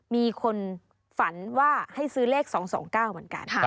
มีคนฝันให้ซื้อเลข๒๒๙มานกัน